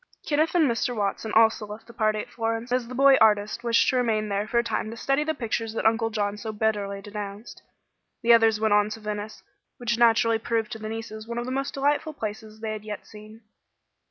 Kenneth and Mr. Watson also left the party at Florence, as the boy artist wished to remain there for a time to study the pictures that Uncle John so bitterly denounced. The others went on to Venice, which naturally proved to the nieces one of the most delightful places they had yet seen.